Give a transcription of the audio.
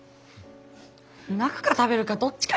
泣くか食べるかどっちかにしれ。